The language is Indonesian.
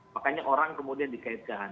makanya orang kemudian dikaitkan